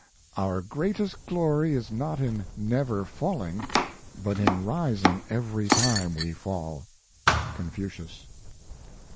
" Our greatest glory is not in never falling, but in rising every time we fall." Confucius.